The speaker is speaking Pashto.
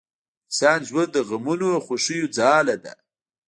انسان ژوند د غمونو او خوښیو ځاله ده